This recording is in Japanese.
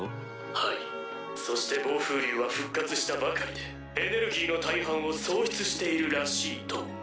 はいそして暴風竜は復活したばかりでエネルギーの大半を喪失しているらしいと。